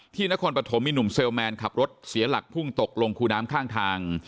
นครปฐมมีหนุ่มเซลแมนขับรถเสียหลักพุ่งตกลงคูน้ำข้างทาง